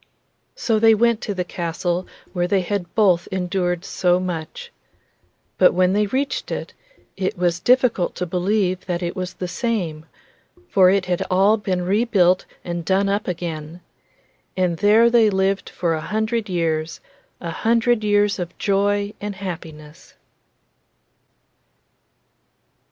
So they went to the castle where they had both endured so much. But when they reached it, it was difficult to believe that it was the same, for it had all been rebuilt and done up again. And there they lived for a hundred years, a hundred years of joy and happiness.